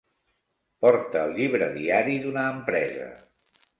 Porta el llibre diari d'una empresa.